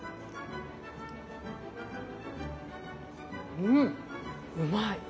うんうまい。